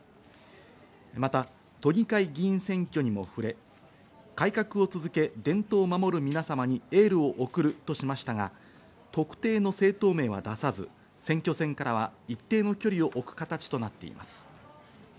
また都議会議員選挙にも触れ、改革を続け伝統を守る皆様にエールを送るとしましたが、特定の政党名は出さず、選挙戦からは一定の距離を置く形となっています。